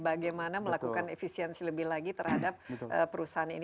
bagaimana melakukan efisiensi lebih lagi terhadap perusahaan ini